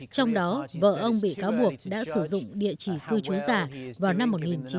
trong đó vợ ông bị cáo buộc đã sử dụng địa chỉ cư trú giả vào năm một nghìn chín trăm bảy mươi